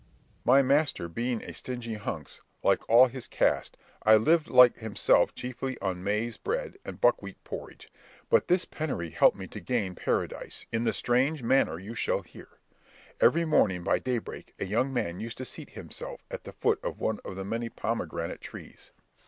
Berg. My master being a stingy hunks, like all his caste, I lived like himself chiefly on maize bread and buckwheat porridge; but this penury helped me to gain paradise, in the strange manner you shall hear. Every morning, by daybreak, a young man used to seat himself at the foot of one of the many pomegranate trees.